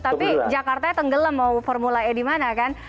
tapi jakarta tenggelam mau formula e dimana kan